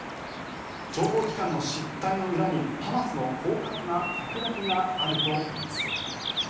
諜報機関の失態の裏にハマスのこうかつな策略があるといいます。